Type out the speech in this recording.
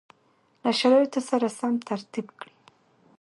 له شرایطو سره سم ترتیب کړي